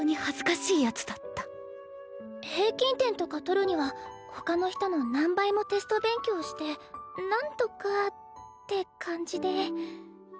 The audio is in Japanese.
平均点とか取るにはほかの人の何倍もテスト勉強してなんとかって感じで。